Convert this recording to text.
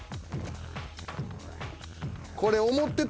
これ。